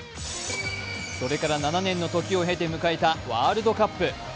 それから７年の時を経て迎えたワールドカップ。